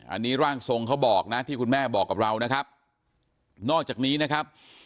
อันนี้ร่างทรงเค้าบอกนะที่คุณแม่บอกกับเรานะครับ